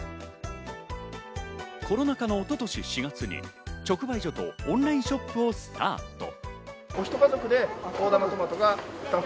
コロナ禍の一昨年４月に直売所とオンラインショップをスタート。